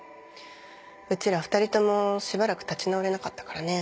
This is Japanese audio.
うちら２人ともしばらく立ち直れなかったからね。